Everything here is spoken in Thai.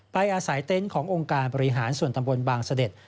อาศัยเต็นต์ขององค์การบริหารส่วนตำบลบางเสด็จ